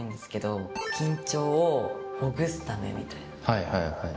はいはいはい。